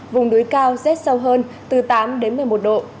vùng núi cao rét sâu hơn từ tám đến một mươi một độ